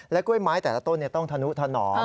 และกล้วยไม้แต่ละต้นต้องทะนุทะหนอม